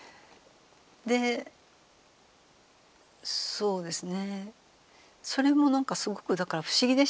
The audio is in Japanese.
そうですね。